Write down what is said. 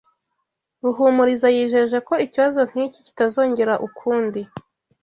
Ruhumuriza yijeje ko ikibazo nk'iki kitazongera ukundi.